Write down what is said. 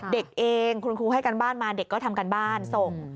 เด็กเองคุณครูให้การบ้านมาเด็กก็ทำการบ้านส่ง